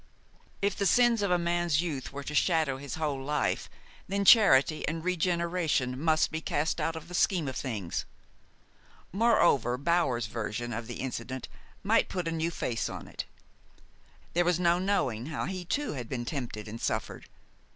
If the sins of a man's youth were to shadow his whole life, then charity and regeneration must be cast out of the scheme of things. Moreover, Bower's version of the incident might put a new face on it. There was no knowing how he too had been tempted and suffered.